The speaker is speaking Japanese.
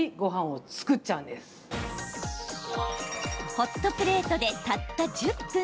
ホットプレートでたった１０分。